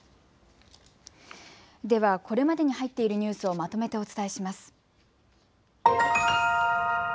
では、これまでに入っているニュースをまとめてお伝えします。